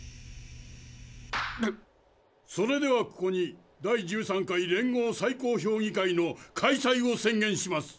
それではここに第１３回連合最高評議会の開催を宣言します。